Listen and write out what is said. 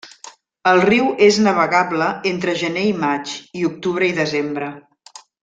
El riu és navegable entre gener i maig, i octubre i desembre.